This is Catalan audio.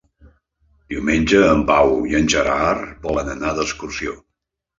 Diumenge en Pau i en Gerard volen anar d'excursió.